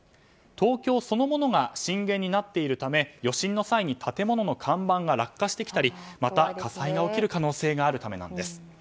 東京そのものが震源になっているため余震の際に建物の看板が落下してきたりまた、火災が起きる可能性があるためなんです。